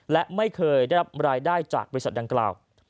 และไม่เคยได้รับรายได้จากบริษัทดังกล่าว